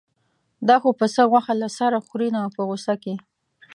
دا خو پسه غوښه له سره خوري نه په غوسه کې.